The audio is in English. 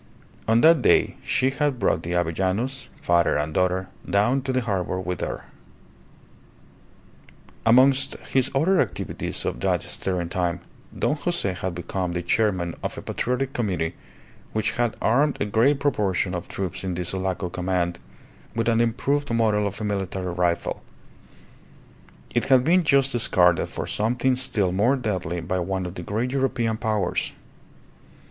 On that day she had brought the Avellanos, father and daughter, down to the harbour with her. Amongst his other activities of that stirring time, Don Jose had become the chairman of a Patriotic Committee which had armed a great proportion of troops in the Sulaco command with an improved model of a military rifle. It had been just discarded for something still more deadly by one of the great European powers.